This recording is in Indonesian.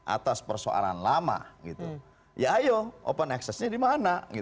atas persoalan lama gitu ya ayo open access nya di mana